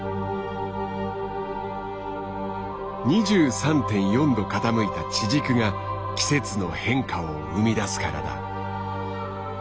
２３．４度傾いた地軸が季節の変化を生み出すからだ。